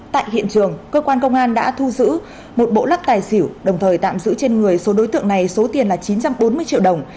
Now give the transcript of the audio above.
tại hiện trường cơ quan công an đã thu giữ một bộ lắc tài xỉu đồng thời tạm giữ trên người số đối tượng này số tiền là chín trăm bốn mươi triệu đồng